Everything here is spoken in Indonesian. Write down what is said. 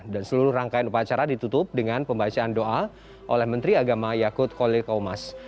dan seluruh rangkaian upacara ditutup dengan pembacaan doa oleh menteri agama yakut kolir kaumas